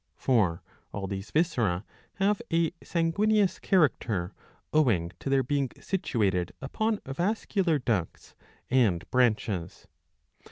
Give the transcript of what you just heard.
For all these viscera have a sanguineous character owing to their being situated upon vascular ducts and branches.